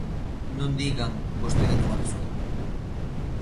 Non digan: vostede non avisou.